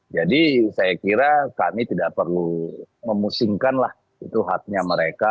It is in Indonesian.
jadi saya kira kami tidak perlu memusingkan lah itu haknya mereka